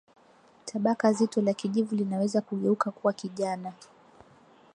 tabaka zito la kijivu linaweza kugeuka kuwa kijana